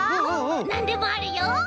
なんでもあるよ。